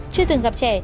chưa từng gặp trẻ